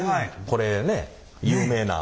これね有名な。